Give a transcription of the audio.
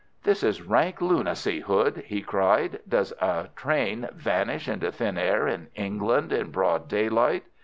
"This is rank lunacy, Hood!" he cried. "Does a train vanish into thin air in England in broad daylight?